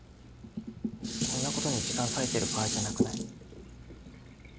こんなことに時間割いてる場合じゃなくない？